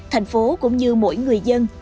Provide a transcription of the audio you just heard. thành phố cũng như mỗi người dân